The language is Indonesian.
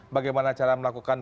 bagaimana cara melakukan